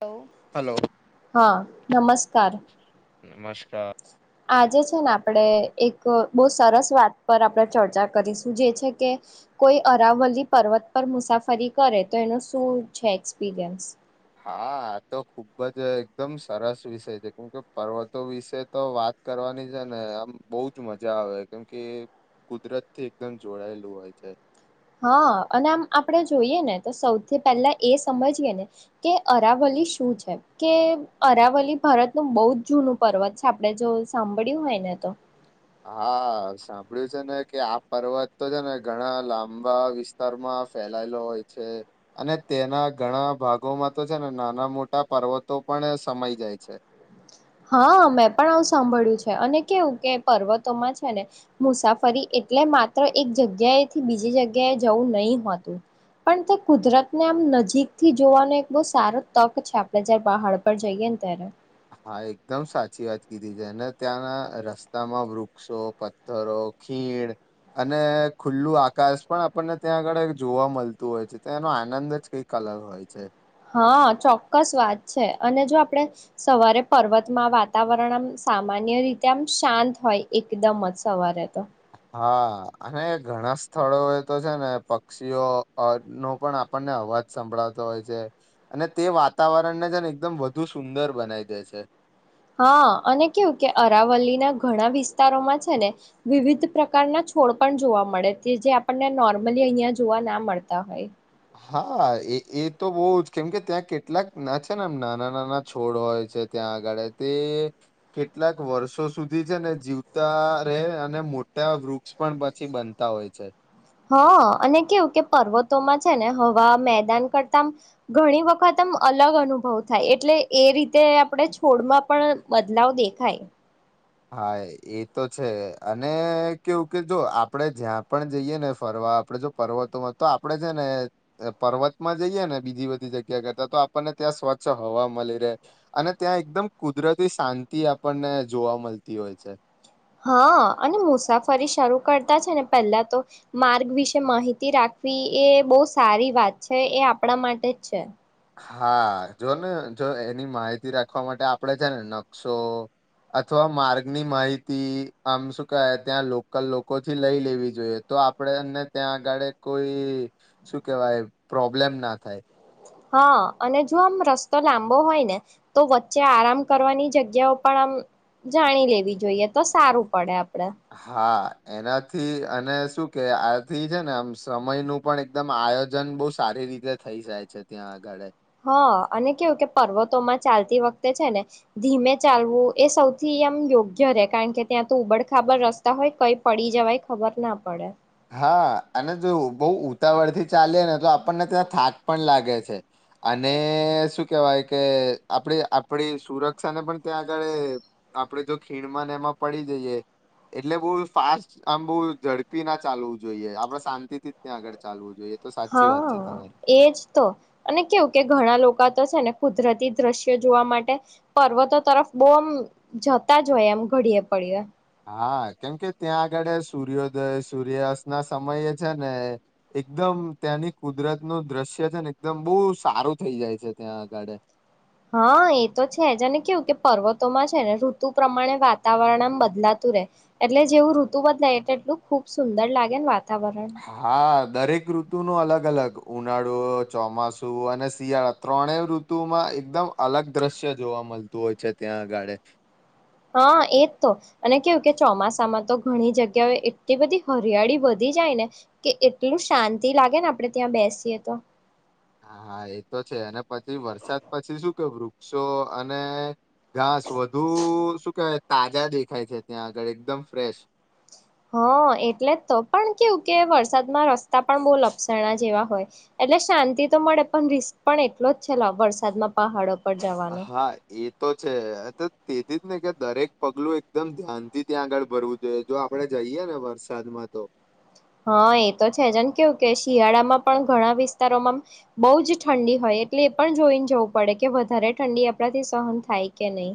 Hello hello. હા નમસ્કાર. નમસ્કાર. આજે છે ને આપણે એક બહુ સરસ વાત પર આપણે ચર્ચા કરીશું જે છે કે કોઈ અરાવલી પર્વત પર મુસાફરી કરે તો એનું શું છે એક્સપિરિયન્સ. હા આ તો ખુબ જ એકદમ સરસ વિષય છે કેમ કે પર્વતો વિશે તો વાત કરવાની છે ને આમ બહુ જ મજા આવે કેમ કે કુદરત થી એકદમ જોડાયેલું હોય છે. હા અને આમ આપડે જોઈએ ને તો સૌથી પહેલા એ સમજીએ ને કે અરાવલ લી શું છે કે અરાવલી ભારત નું બૌ જ જૂનું પર્વત છે આપડે જો સાંભળ્યું હોય. એને તો. હા સાંભળ્યું છે ને કે આ પર્વત તો છે ને ઘણા લાંબા વિસ્તારમાં ફેલાયેલો હોય છે અને તેના ઘણા ભાગોમાં તો છે ને નાના મોટા પર્વતો પણ પણ સમાય જાય છે. [inaudible] હા મેં પણ આવું સાંભળ્યું છે અને કેવું કે પર્વતોમાં છે ને મુસાફરી એ એટલે માત્ર એક જગ્યાએથી બીજી જગ્યાએ જવું નહી હોતું. પણ તે કુદરત ને આમ નજીકથી જોવાનો એક બહુ સારો તક છે આપડે જારે પહાડ પર જઈએ. તારે. હા એકદમ સાચી વાત કીધી છે અને ત્યાંના રસ્તામાં વૃક્ષો પથ્થરો ખીણ અને ખુલ્લું આકાશ પણ આપણને ત્યાં આગળ જોવા મલતુ હોય છે. તેનો આનંદ જ કંઈક અ લગ હોય છે. હા ચોક્કસ વાત છે અને જો આપડે સવારે પર્વતમાં વાતાવરણમ સામાન્ય રીતે આમ શાંત હોય એકદમ જ સવારે તો. હા અને ઘણા સ્થળો એ તો છે ને પક્ષીઓ અ નો પણ આપણ ને અવાજ સંભળાતો હોય છે અને તે વાતાવરણને જને એકદમ વધુ સુંદર બનાવી દે છે. હા અને કેવું કે અરાવલ્લી ના ઘણા વિસ્તારોમાં છે ને વિવિધ પ્રકારના છોડ પણ જોવા મળે તે જે આપણને નોર્મલી અહિયાં જોવા ના મળતા હોય. હા એ એ તો બહુ જ કેમ કે ત્યાં કેટલાક ના છે ને એમ નાના નાના છોડ હોય છે. ત્યાં આગળ તે કેટલાક વર્ષો સુધી છે ને જીવતા રહે અને મો ત્યાં વૃક્ષ પણ પછી બનતા હોય છે. હા અને કેવું કે પર્વતોમાં છે ને હવા મેદાન કરતા આમ ઘણી વખત એકદમ અલગ અનુભવ થાય એટલે એ રીતે આપણે છોડમાં પણ બદલાવ દેખાય. હા એ તો છે અને કેવું કે તો આપણે જયાં પણ જઈએ ને ફરવા તો આપડે જો પર્વતોમાં તો આપડે છે ને પર્વત માં જઈએ ને બીજી બધી જગ્યા કરતા તો આપણ ને ત્યાં સ્વચ્છ હવા મલી રહે અને ત્યાં એકદમ કુદરતી શાંતિ આપણને જોવા મલ તી હોય છે. હા અને મુસાફરી શરૂ કરતા છે ને પેલા તો માર્ગ વિશે માહિતી રાખ વી એ બહુ સારી વાત છે એ આપણા માટે જ છે. હા જો ને જો એની માહિતી રાખવા માટે આપડે છે ને નકશો અથવા માર્ગની માહિતી આમ શું કહે ત્યાં લોકલ લોકો થી લઈ લેવી જોઈએ તો તો આપણેે એમને ત્યાં આગળ કોઈ શું કેવાય પ્રોબ્લેમ ના થાય. હા અને જો આમ રસ્તો લાંબો હોય ને તો વચ્ચે આરામ કરવાની જગ્યાઓ પણ આમ જાણી લેવી જોઈએ તો સારું પડે આપ હા. એનાથી અને શું કે આથી છે ને આમ સમય નું પણ એકદમ આયોજન બહુ સારી રીતે થઈ જાય છે ત્યાં આગળ. હા અને કેવું કે પર્વતોમાં ચાલતી વખતે છે ને ધીમે ચાલવું એ સૌથી આમ યોગ્ય રે કારણ કે ત્યાં તો ઉબડ ખાબડ રસ્તા હોય કઈ પડી જવાય ખબર ના પડે. હા અને જો બહુ ઉતાવળ થી ચાલે ને તો આપણને ત્યાં થાક પણ લાગે છે. અને શું કેવાય કે આપણે આપડી સુરક્ષા ને પણ ત્યાં આગળે આપડે જો ખીણમાં ને એમાં પડી જઈએ એટલે બહુ ફાસ્ટ આમ બહુ ઝડપી નાં ચાલવું જોઈએ આપડે શાંતિ થી જ ત્યાં આગળ ચાલવું જોઈએ. તો સાચી વાત હા છે તમારી એજ તો અને કેવું કે ઘણા લોકો તો છે ને કુદરતી દ્રશ્યો જોવા માટે પર્વતો તરફ બહુ આમ જતા જ હોય એમ ઘડીએ પડીએ. હા કેમકે ત્યાં આગળ સૂર્યોદય સૂર્યાસ્ત ના સમય છે ને એકદમ મ ત્યાંની કુદરત ન દ્રશ્ય છે. ને એકદમ બહુ સારું થઈ જાય છે. ત્યાં આગળ. હા એ તો છે જ. અને કેવું કે પર્વતોમાં છે. ને ઋતુ પ્રમાણે વાતાવરણ આમ બદલાતું એટલે જેવું ઋતુ બદલા એટલું ખુબ સુંદર લાગે ને વાત હા. દરેક ઋતુ નું અલગ અલગ ઉનાળો ચોમાસુ અને શિયાળા ત્રણે ઋતુમાં. એકદમ અલગ દ્રશ્ય જોવા મળતું હોય છે. ત્યાં આગળ હા એજ તો અને કેવું કે ચોમાસામાં તો ઘણી જગ્યાઓ એટલી બધી હરિયાળી બધી. જાય ને કે એટલું શાંતિ લાગે ને આપડે ત્યાં બેસીએ તો. હા હા એતો છે અને પછી વરસાદ પછી શું કે વૃક્ષો અને ઘાસ વધુ શું કેહેવાય તાજા દેખાય છે. ત્યાં આગળ એકદમ ફ્રેશ. હા એટલે તો પણ કેવું કે વરસાદમાં રસ્તા પણ બહુ લપસણા જેવા હોય. એટલે શાંતિ તો મળે પણ રિસ્ક પણ એટલો જ છે. લો વરસાદમાં પહાડો પર જવાનો હા એ. તો છે. તેથી જ ને કે દરેક પગલું એકદમ ધ્યાન થી ત્યાં આગળ ભરવું જોઈએ જો આપણેે. જઈએ ને વરસાદમાં તો હા એ તો છે. જને કેવું કે શિયાળામાં પણ ઘણા વિસ્તારોમાં બહુ જ ઠંડી હોય એટલે એ પણ જોઈને જવું પડે કે વધારે ઠંડી આપણાથી સહન થાય કે નહીં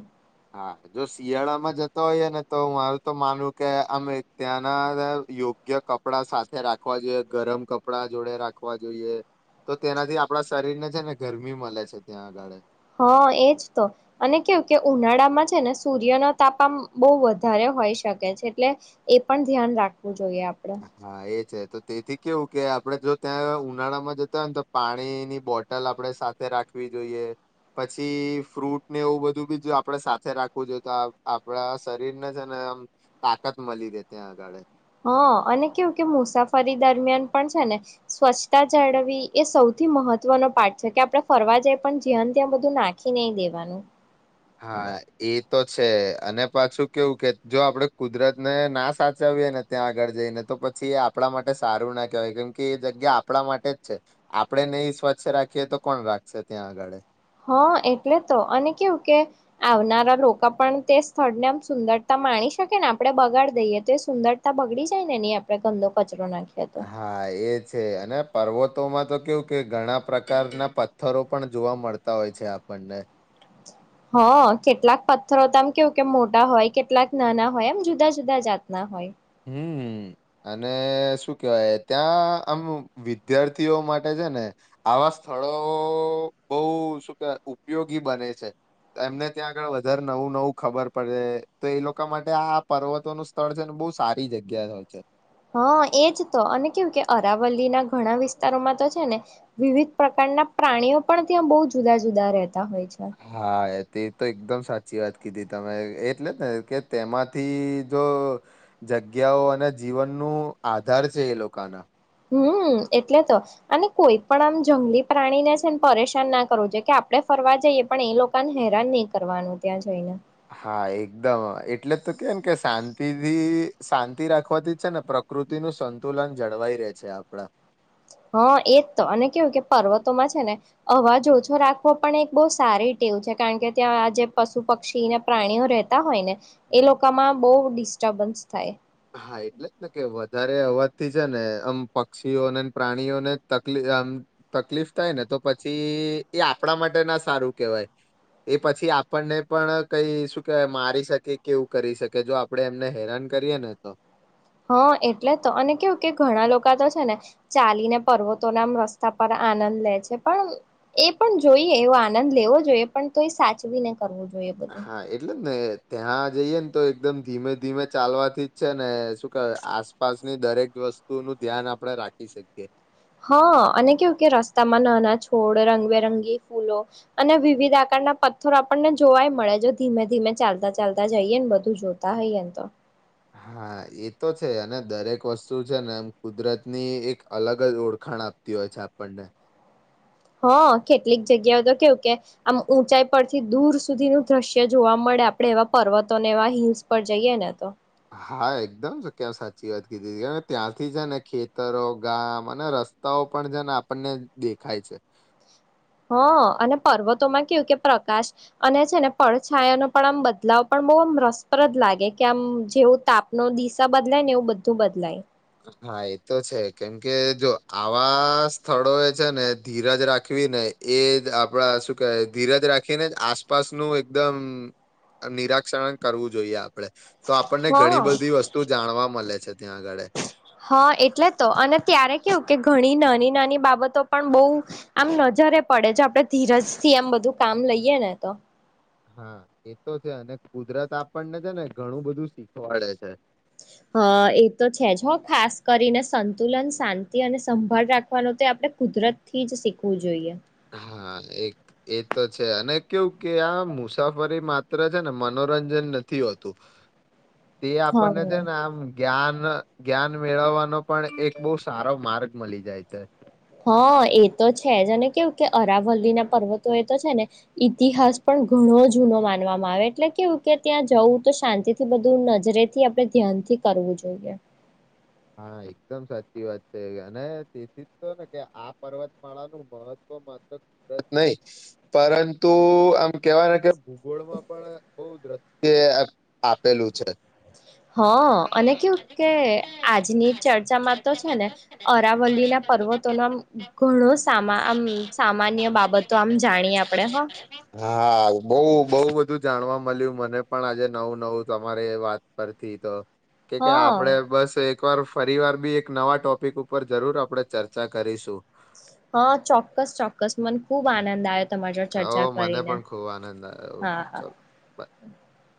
હા જો શિયાળામાં જતો હોઈએ ને તો મારું તો માન કે અમે ત્યાંના ના યોગ્ય કપડાં સાથે રાખવા જોઈએ ગરમ કપડા જોડે રાખવા જોઈએ. તો તેનાથી આપડા શરીરને છે. ને ગરમી મલે છે. ત્યાં આગળે હા એજ તો અને કેવું કે ઉનાળામાં છે. ને સૂર્ય ન તાપામ બહુ વધારે હો શકે છે. એટલે એ પણ ધ્યાન રાખવું જો હા એ છે. તો તેથી કેવું કે આપડે જો ત્યાં ઉનાળામાં જતા હોય ને તો પાણી ની બોટલ આપડે સાથે રાખી રાખવી જોઈએ. પછી ફ્રૂટ ને એવું બધું બી જો આપડે સાથે રાખવું જોઈએ તો આપણા શરીર ને છે. ને મ તાકાત મળી રહે ત્યાં આગળ હ અને કેવું કે મુસાફરી દરમિયાન પણ છે. ને સ્વચ્છતા જાળવી એ સૌથી મહત્વપૂર્ણ મહત્વનો ઓ પાઠ છે. કે આપડે ફરવા જાય પણ જ્યાને ત્યાં બધું નાખી નહી દેવાનું. હા એ તો છે. અને પાછું કેવું કે જો આપડે કુદરત ને ના સાચવી ને ત્યાં આગળ જઈને તો પછી એ આપણા માટે સારું ના કહેવાય કેમ કે એ જગ્યા આપણા માટે જ છે. આપણેે નહીં સ્વચ્છ રાખીએ તો કોણ રાખશે ત્યાં આગળે હા એટલે તો અને કેવું કે આવનારા લોકો પણ તે સ્થળને આમ સુંદરતા માણી શકે ને આપણે બગાડી દઈએ તો એ સુંદરતા બગડી જાય ને નહી આપડ ગંદો કચરો. કચરો નાખે તો. હા એ છે. અને પર્વતો માં તો કેવું કે ઘણા પ્રકારના પથ્થરો પણ જોવા મળતા હોય છે. આપ આપણને હ [inaudible] હ કેટલાક પથ્થરો તો આમ કેવું કે મોટા હોય કેટલાક નાના હોય એમ જુદા જુદા જાતના હોય હમ [inaudible] અને શું કેવાય ત્યાં આમ વિદ્યાર્થીઓ માટે છે ને આવા સ્થળો બઉુ શું કે ઉપયોગી બને છે. એમને ત્યાં આગળ વધારે નવું નવું ખબર પડે તો એ લોકો માટે આ પર્વતોનું સ્થળ છે ને બહુ સારું કઈ જગ્યા હો છે. હા એજ તો અને કેવું કે અરાવલ્લી ના ઘણા વિસ્તારોમાં તો છે ને વિવિધ પ્રકાર ના પ્રાણીઓ પણ ત્યાં બહુ જુદા જુદા રહેતા હોય છે. હા એ તે તો એકદમ સાચી વાત કીધી તમે એટલે ને કે તેમાંથી જો જગ્યાઓ અને જીવન નું આધાર છે એ લોકોના હમ એટલે તો અને કોઈ પણ આમ જંગલી પ્રાણીને છે ને પરેશાન ના કરવું છે કે આપડણે ફરવા જઈએ પણ એ લોકોને હેરાન નહી કરવાનું ત્યાં જઈને. હા એકદમ એટલે તો કેમ કે શાંતિથી શાંતિ રાખવાથી છે ને પ્રકૃતિનું સંતુલન જળવાઈ રહે છે આપણા. હા એજ તો અને કેવું કે પર્વતોમાં છે ને અવાજ ઓછો રાખવો પણ એક બહ સારી એવું છે કારણ કે ત્યાં આ જે પશુ પક્ષીને પ્રાણીઓ રહેતા હોય ને. એ લોકોમાં બહુ ડિસ્ટર્બન્સ થાય. હા એટલે જ ને કે વધારે અવાજથી છે ને આમ પક્ષીઓને પ્રાણીઓને તકલીફ આમ તકલીફ થાય ને તો પછી એ આપણા માટે ના સારું કેહેવાય. એ પછી આપણને પણ કઈ શું કેવાય મારી શકે કેવું કરી શકે જો આપડે એમને હેરાન કરીએ ને તો હા એટલે તો અને કેવું કે ઘણા લોકો તો છે ને ચાલીને પર્વતો નામ રસ્તા પર આનંદ લે છે પણ એ પણ જોઈએ એવો આનંદ લેવો જોઈએ પણ તો એ સાચવી નને હા એટલે ને ત્યાં જઈએ ને તો એકદમ ધીમે ધીમે ચાલવાથી જ છે ને શું કે આસપાસ ની દરેક વસ્તુ નું ધ્યાન આપડણે રાખી શકીએ. હા અને કેવું કે રસ્તામાં નાના છોડ રંગબેરંગી ફૂલો અને વિવિધ આકાર ના પથ્થર આપણને જોવાય મળે જો ધીમે ધીમે ચાલતા ચાલતા જઈએ ને બધું જોતા હોઈએને તો. હા એ તો છે અને દરેક વસ્તુ છે ને એમ કુદરત ની એક અલગ જ ઓળખાણ આપતી હોય છે આપણને. [inaudible] હા કેટલીક જગ્યાઓ તો કેવું કે આમ ઊંચાઈ પરથી દૂર સુધી ન દ્રશ્ય જોવા મળે. આપે આપડણે એવા પર્વતો ને એવા હિલ્સ પર જઈએ ને તો. હા એકદમ ક્યાં સાચી વાત કીધી હતી ત્યાંથી જ ને ખેતરો ગામ અને રસ્તાઓ પણ જેને આપણને દેખાય છે. [inaudible] હ અને પર્વતોમાં કેવું કે પ્રકાશ અને છે ને પડછાયા નો પણ આમ બદલાવ પણ બો રસપ્રદ લાગે કે આમ જેવું તાપ ન દિશા બદલાય ને એવું બધું બદલાય. હા એ તો છે કેમ કે જો આવા સ્થળો એ છે ને ધીરજ રાખવી નઈ એજ આપડા શું કે ધીરજ રાખીને જ આસપાસનું એકદમ નિરાક્ષરણ કરવું જોઈએ આપ ડે તો આપણને ઘણી હા બધી વસ્તુ જાણવા મળે છે ત્યાં આગળ હા એટલે તો અને ત્યારે કેવું કે ઘણી નાની નાની બાબતો પણ બઉ આમ ન જારે પડે છે આપડે ધીરજથી એમ બધું કામ લઈએ ને તો. હા એ તો છે અને કુદરત આપણને છે ને ઘણું બધું શીખવાડે છે. અ એ તો છે જ ખાસ કરીને સંતુલન શાંતિ અને સંભાળ રાખવાનો તો આપણે કુદરત થી જ શીખવું જોઈએ. હા એક એ તો છે અને કેવું કે આ મુસાફરી માત્ર છે ને મનો મરંજન નથી હોતું તે આપણને છે હા ને આમ જ્ઞાન જ્ઞાન મેળવવાનો પણ એક બહ સારો માર્ગ મળી જાય છે. હા એ તો છે જ અને કેવું કે અરાવલ્લી ના પર્વતો એ તો છે ને ઈતિહાસ પણ ઘણું ન જૂનો માનવામાં આવે એટલે કેવું કે ત્યાં જવું તો શાંતિ થી બધું નજરેથી આપણે ધ્યાનથી કરવું. કરવું જોઈએ. હા એકદમ સાચી વાત છે અને તેથી તો ને કે આ પર્વતમાળાનું મહત્વ નહી પરંતુ આમ કેવા કે ભૂગોળમાં પણ બ દ્રષ્ટ્ય આપેલું છે. હ અને કેવુ કે આજ ના ની ચર્ચામાં તો છે, ને અરાવલી ના પર્વતોનો ઘણો સામા આમ સામાન્ય બાબતો આમ જાણીએ આપણેે હા હા બઉ બધું જાણવા મળ્યું મને પણ આજે નવું નવું તમારી વાત પરથી તો કે હ કે આપડે બસ એક એક વાર ફરી વાર બી એક નવા ટોપિક ઉપર જરૂર આપણેે ચર્ચા કરીશું. હા ચોક્કસ ચોક્કસ મને ખુબ આનંદ આવ્યો, તમારી જો ચર્ચા કરીને ના હા ચલો બાય